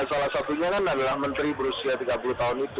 salah satunya kan adalah menteri berusia tiga puluh tahun itu